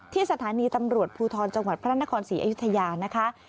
สถานีตำรวจภูทรจังหวัดพระนครศรีอยุธยานะคะ